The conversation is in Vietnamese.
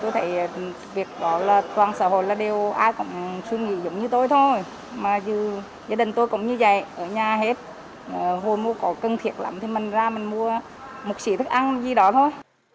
tôi thấy việc đó là toàn xã hội là đều ai cũng suy nghĩ giống như tôi thôi mà gia đình tôi cũng như vậy ở nhà hết hồi mua có cần thiết lắm thì mình ra mình mua một sĩ thức ăn gì đó thôi